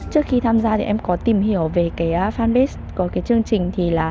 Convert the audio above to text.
trước khi tham gia thì em có tìm hiểu về fanbase của chương trình